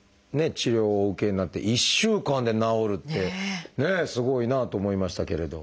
治療をお受けになって１週間で治るってねすごいなあと思いましたけれど。